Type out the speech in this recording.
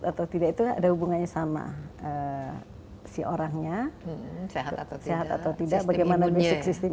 atau tidak itu ada hubungannya sama si orangnya sehat atau sehat atau tidak bagaimana music system